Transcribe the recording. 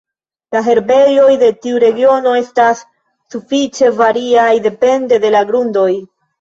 La herbejoj de tiu regiono estas sufiĉe variaj depende de la grundoj.